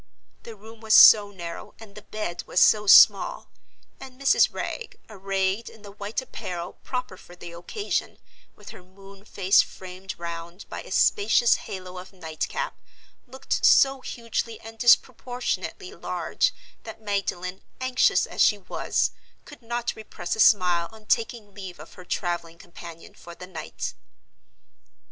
The room was so narrow, and the bed was so small; and Mrs. Wragge, arrayed in the white apparel proper for the occasion, with her moon face framed round by a spacious halo of night cap, looked so hugely and disproportionately large, that Magdalen, anxious as she was, could not repress a smile on taking leave of her traveling companion for the night.